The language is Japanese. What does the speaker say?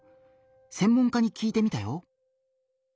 専門家に聞いてみたよ。